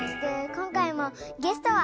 今回もゲストは。